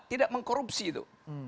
tidak mengkorupsi itu